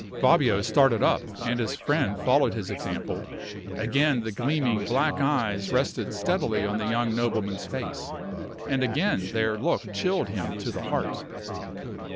Fabio started up, and his friend followed his example. Again the gleaming black eyes rested steadily on the young nobleman's face, and again their look chilled him to the heart.